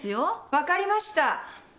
分かりました。